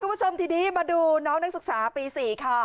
คุณผู้ชมทีนี้มาดูน้องนักศึกษาปี๔ค่ะ